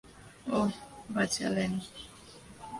ওহ, বাঁচালেন।